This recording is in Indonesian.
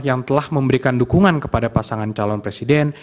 yang telah memberikan dukungan kepada pasangan calon presiden